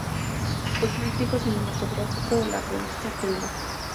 Fue crítico cinematográfico de la revista "Telva".